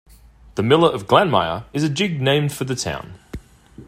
"The Miller of Glanmire" is a jig named for the town.